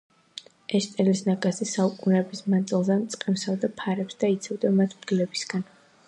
ეშტრელის ნაგაზი საუკუნეების მანძილზე მწყემსავდა ფარებს და იცავდა მათ მგლებისგან.